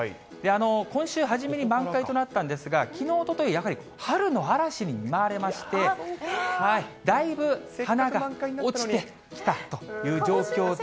今週初めに満開となったんですが、きのう、おととい、やっぱり春の嵐に見舞われまして、だいぶ花が落ちてきたという状況です。